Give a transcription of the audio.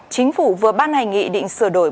chính phủ vừa ban hành nghị định sửa đổi